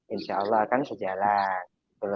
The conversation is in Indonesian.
insya allah akan sejalan